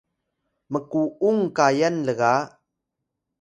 mku’ung kayan lga